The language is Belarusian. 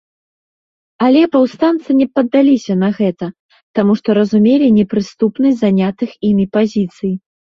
Але паўстанцы не паддаліся на гэта, таму што разумелі непрыступнасць занятых імі пазіцый.